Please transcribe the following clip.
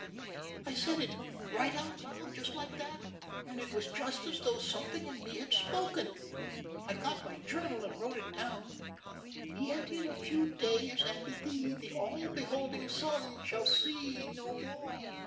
I said it right out loud just like that, and it was just as though something in me had spoken. I got my journal and wrote down, 'Yet in a few days, and thee, the all beholding sun shall see no more.'